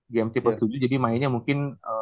gmt plus tujuh jadi mainnya mungkin